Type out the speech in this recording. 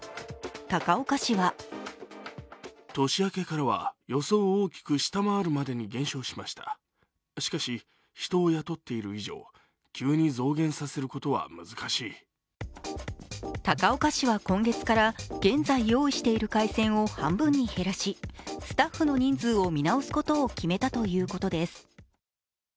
高岡市は高岡市は今月から現在用意している回線を半分に減らし、スタッフの人数を見直すことを決めたということです。